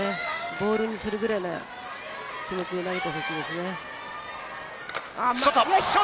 ボールにするぐらいな気持ちで投げてほしいですね。